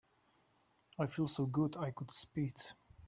I feel so good I could spit.